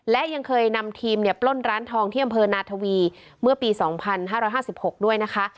และยังเคยนำทีมเนี่ยปล้นร้านทองที่อำเภอนาทวีเมื่อปีสองพันห้าร้อยห้าสิบหกด้วยนะคะ